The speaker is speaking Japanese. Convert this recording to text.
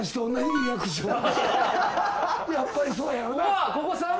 やっぱりそうやろな。